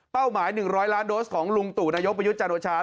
หมาย๑๐๐ล้านโดสของลุงตู่นายกประยุทธ์จันโอชา